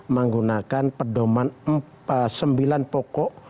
menggunakan sembilan pokok